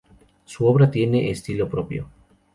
Su obra tiene un estilo propio.